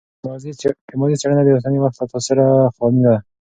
د ماضي څېړنه د اوسني وخت له تاثیره خالي نه ده.